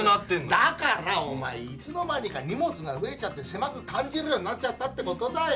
だからお前いつの間にか荷物が増えちゃって狭く感じるようになっちゃったって事だよ。